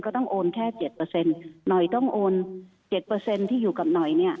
ก็ต้องโอนแค่๗เปอร์เซ็นต์หน่อยต้องโอน๗เปอร์เซ็นต์ที่อยู่กับหน่อยเนี่ย